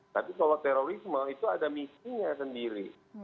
tapi kalau terorisme itu ada misinya sendiri